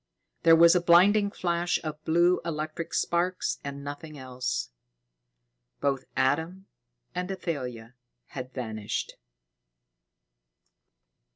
There was a blinding flash of blue electric sparks and nothing else. Both Adam and Athalia had vanished.